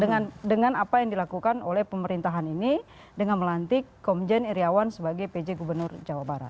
dengan apa yang dilakukan oleh pemerintahan ini dengan melantik komjen iryawan sebagai pj gubernur jawa barat